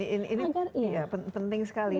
iya ini penting sekali